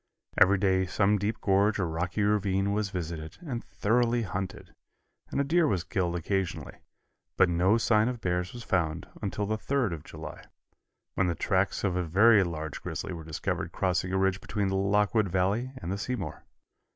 Every day some deep gorge or rocky ravine was visited and thoroughly hunted, and a deer was killed occasionally, but no sign of bears was found until the 3d of July, when the tracks of a very large grizzly were discovered crossing a ridge between the Lockwood Valley and the Seymour.